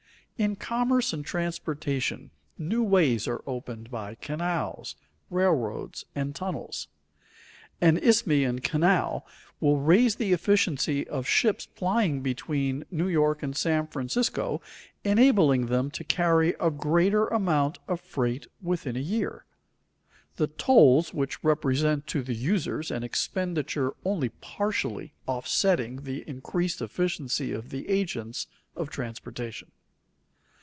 In commerce and transportation, new ways are opened by canals, railroads, and tunnels. An isthmian canal will raise the efficiency of ships plying between New York and San Francisco, enabling them to carry a greater amount of freight within a year. The tolls will represent to the users an expenditure only partially offsetting the increased efficiency of the agents of transportation.